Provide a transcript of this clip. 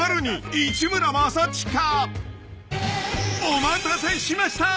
［お待たせしました！］